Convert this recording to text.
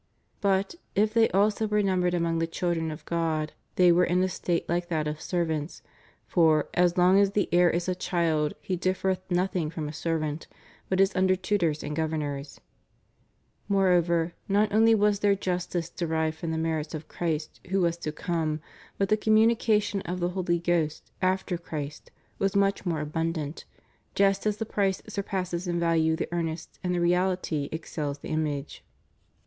* But if they also were numbered among the children of God, they were in a state Uke that of servants, for as long as the heir is a child he differeth nothing from a servant, hut is under tutors and governors} Moreover, not only was their justice derived from the merits of Christ who was to come, but the communication of the Holy Ghost after Christ was much more abundant, just as the price surpasses in value the earnest and the reaUty excels the image.